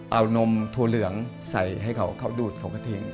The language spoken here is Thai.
เอานมถั่วเหลืองใส่ให้เขาเขาดูดเขาก็ทิ้ง